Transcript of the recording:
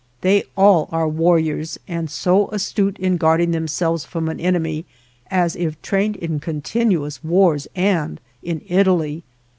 118 ALVAR NUNEZ CABEZA DE VACA They all are warriors and so astute in guarding themselves from an enemy as if trained in continuous wars and in Italy.